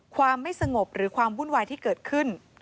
ความไม่สงบหรือความวุ่นวายที่เกิดขึ้น